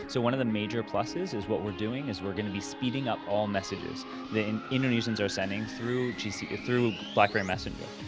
salah satu plus besar adalah kita akan mempercepat semua pesan yang akan dikirimkan oleh blackberry messenger